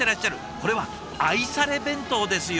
これは愛され弁当ですよ。